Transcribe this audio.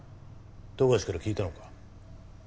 富樫から聞いたのか？